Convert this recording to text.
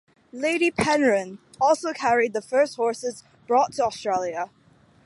"Lady Penrhyn" also carried the first horses brought to Australia.